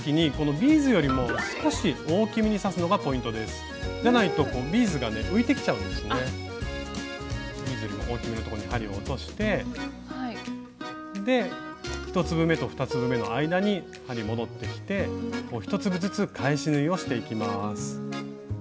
ビーズよりも大きめのところに針を落として１粒めと２粒めの間に針戻ってきて１粒ずつ返し縫いをしていきます。